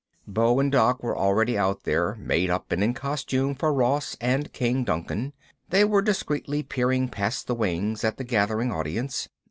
Beau and Doc were already out there, made up and in costume for Ross and King Duncan. They were discreetly peering past the wings at the gathering audience.